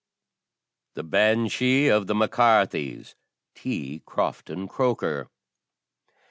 THE BANSHEE OF THE MAC CARTHYS. T. CROFTON CROKER.